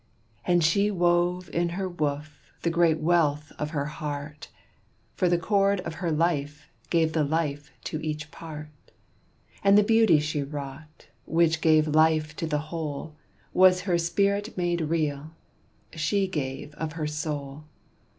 And she wove in her woof the great wealth of her heart, For the cord of her life gave the life to each part; And the beauty she wrought, which gave life to the whole, Was her spirit made real she gave of her soul.